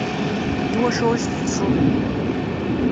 Iwacu i s-tḥesseḍ?